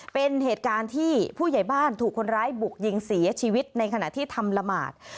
เป็นเหตุการณ์ที่ผู้ใหญ่บ้านถูกคนร้ายบุกยิงเสียชีวิตในขณะที่ทำละหมาด